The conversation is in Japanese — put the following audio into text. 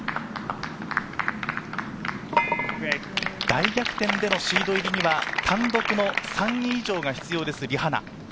大逆転でのシード入りには単独３位以上が必要です、リ・ハナ。